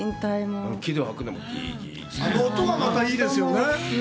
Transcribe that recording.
あの音がいいですよね。